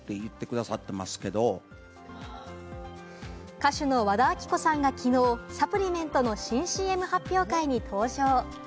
歌手の和田アキ子さんがきのうサプリメントの新ＣＭ発表会に登場。